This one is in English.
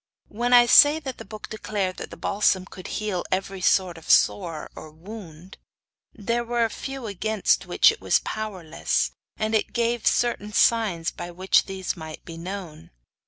When I say that the book declared that the balsam could heal every sort of sore or wound, there were a few against which it was powerless, and it gave certain signs by which these might be known.